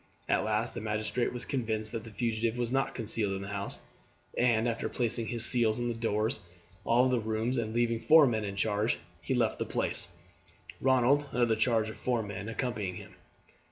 At last the magistrate was convinced that the fugitive was not concealed in the house, and, after placing his seals on the doors of all the rooms and leaving four men in charge, he left the place, Ronald, under the charge of four men, accompanying him.